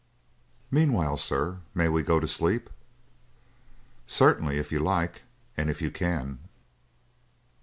"Meanwhile, sir, may we go to sleep?" "Certainly, if you like, and if you can."